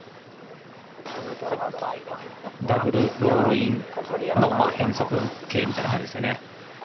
ダブル・ロールインの変則形みたいな感じです。